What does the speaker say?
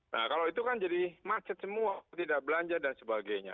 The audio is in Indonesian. nah kalau itu kan jadi macet semua tidak belanja dan sebagainya